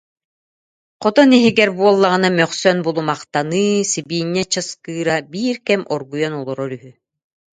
Хотон иһигэр буоллаҕына мөхсөн булумахтаныы, сибиинньэ часкыы- ра биир кэм оргуйан олорор үһү